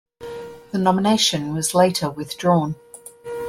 The nomination was later withdrawn.